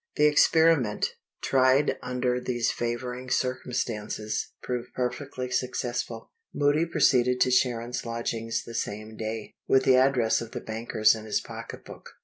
The experiment, tried under these favoring circumstances, proved perfectly successful. Moody proceeded to Sharon's lodgings the same day, with the address of the bankers in his pocketbook.